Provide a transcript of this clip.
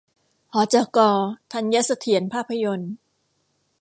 หจก.ธัญเสถียรภาพยนตร์